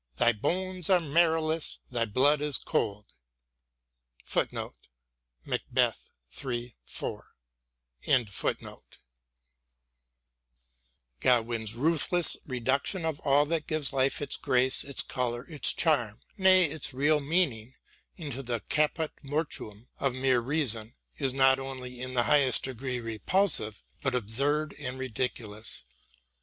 thy bones are marrowless, thy blood is cold." t Godwin's ruthless reduction of all that gives life its grace, its colour, its charm, nay, its real meaning, into the caput mortuum of mere reason is not only in the highest degree repulsive, but absurd and ridiculous.